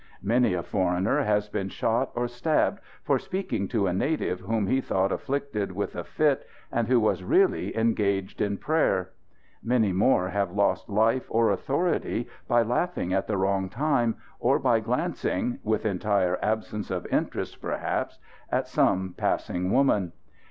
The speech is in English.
Many a foreigner has been shot or stabbed for speaking to a native whom he thought afflicted with a fit and who was really engaged in prayer. Many more have lost life or authority by laughing at the wrong time or by glancing with entire absence of interest, perhaps at some passing woman.